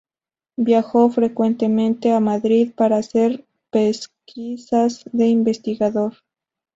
Viajó frecuentemente a Madrid para hacer pesquisas de investigador.